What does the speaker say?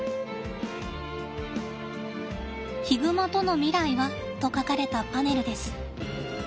「ヒグマとの未来は？」と書かれたパネルです。